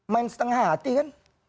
main setengah hati kan